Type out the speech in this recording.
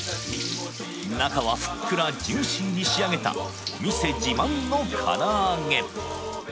中はふっくらジューシーに仕上げたお店自慢のから揚げ！